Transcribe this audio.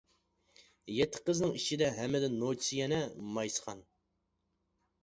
يەتتە قىزنىڭ ئىچىدە ھەممىدىن نوچىسى يەنە مايسىخان.